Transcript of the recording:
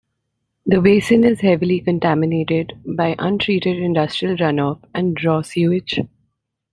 The basin is heavily contaminated by untreated industrial runoff and raw sewage.